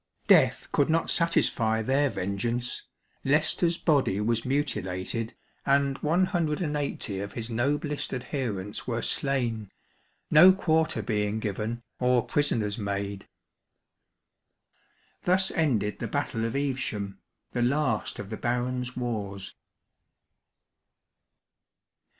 Death could not satisfy their vengeance Leicester's body was mutilated, and e8o of his noblest, adherents were slain ; no quarter being given, or prisoners made. Thus ended the Battle of Evesham, the last of the Barons* wars.